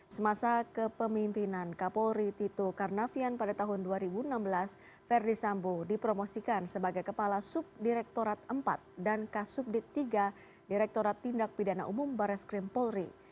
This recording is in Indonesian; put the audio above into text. semasa kepemimpinan kapolri tito karnavian pada tahun dua ribu enam belas verdi sambo dipromosikan sebagai kepala subdirektorat empat dan kasubdit tiga direkturat tindak pidana umum barres krim polri